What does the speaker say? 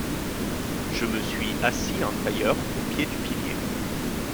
Je me suis assis en tailleur au pied du pilier.